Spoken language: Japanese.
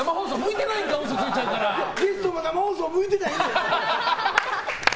ゲストも生放送も向いてないねん！